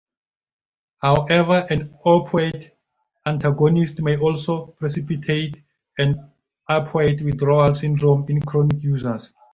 However an opioid antagonist may also precipitate an opioid withdrawal syndrome in chronic users.